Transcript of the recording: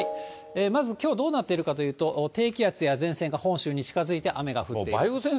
まずきょう、どうなっているかというと、低気圧や前線が本州に近づいて、雨が降っている。